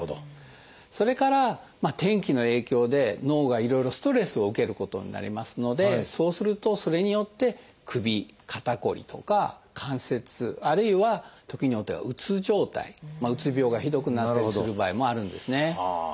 それから天気の影響で脳がいろいろストレスを受けることになりますのでそうするとそれによって首・肩こりとか関節痛あるいは時によってはうつ状態うつ病がひどくなったりする場合もあるんですね。